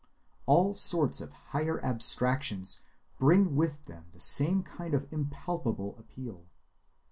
All sorts of higher abstractions bring with them the same kind of impalpable appeal.